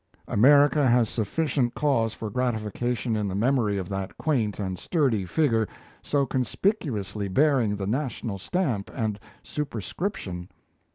America has sufficient cause for gratification in the memory of that quaint and sturdy figure so conspicuously bearing the national stamp and superscription.